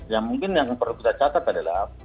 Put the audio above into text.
ya mungkin yang perlu kita catat adalah